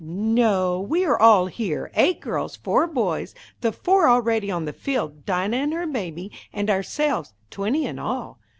"No, we are all here: eight girls, four boys, the four already on the field, Dinah and her baby, and ourselves, twenty in all."